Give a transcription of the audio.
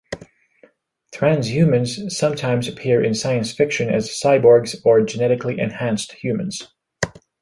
Transhumans sometimes appear in science-fiction as cyborgs or genetically-enhanced humans.